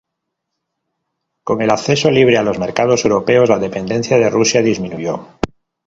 Con el acceso libre a los mercados europeos la dependencia de Rusia disminuyó.